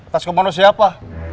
tas kemana siapa